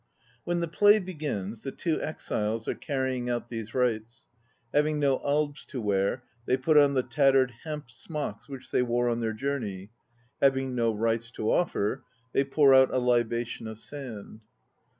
When the play begins the two exiles are carrying out these rites. Having no albs 4 to wear, they put on the tattered hemp smocks which they wore on their journey; having no rice to offer, they pour out a libation of sand.